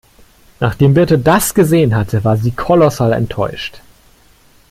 Nachdem Birte das gesehen hatte, war sie kolossal enttäuscht.